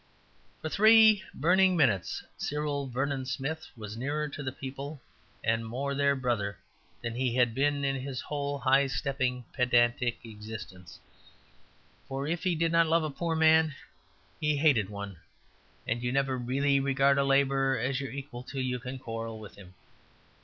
For three burning minutes Cyril Vernon Smith was nearer to the people and more their brother than he had been in his whole high stepping pedantic existence; for if he did not love a poor man, he hated one. And you never really regard a labourer as your equal until you can quarrel with him.